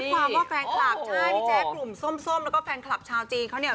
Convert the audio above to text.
ความว่าแฟนคลับใช่พี่แจ๊คกลุ่มส้มแล้วก็แฟนคลับชาวจีนเขาเนี่ย